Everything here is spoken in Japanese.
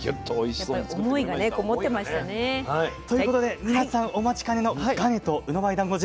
やっぱり思いがねこもってましたね。ということで皆さんお待ちかねの「がね」と「うのばい団子汁」